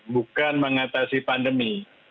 bukan mengatasi pandemi